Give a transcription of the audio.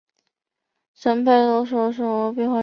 勒佩什罗人口变化图示